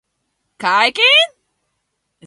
解禁